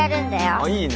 あっいいね。